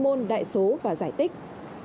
hãy đăng ký kênh để ủng hộ kênh của mình nhé